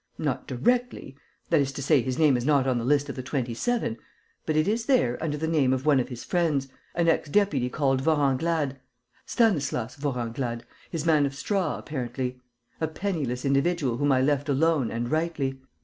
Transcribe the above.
Not directly: that is to say, his name is not on the list of the Twenty seven; but it is there under the name of one of his friends, an ex deputy called Vorenglade, Stanislas Vorenglade, his man of straw, apparently: a penniless individual whom I left alone and rightly.